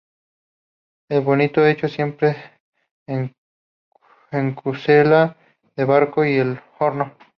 El bonito, hecho siempre en cazuela de barro y al horno.